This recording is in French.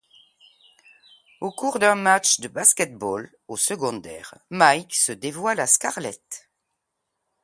Au cours d'un match de basketball au secondaire, Mike se dévoile à Scarlet.